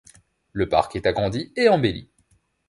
Le parc est agrandi et embelli.